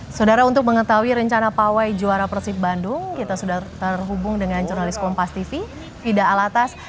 saudara untuk mengetahui rencana pawai juara persib bandung kita sudah terhubung dengan jurnalis kompas tv fida alatas